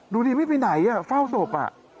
ดูดิไม่ไปไหนเฝ้าศพ